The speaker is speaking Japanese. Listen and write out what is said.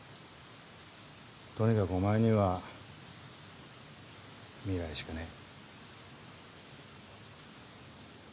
とにかくお前には未来しかねえ。